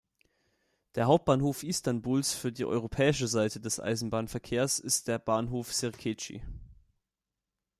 Der Hauptbahnhof Istanbuls für die europäische Seite des Eisenbahnverkehrs ist der Bahnhof Sirkeci.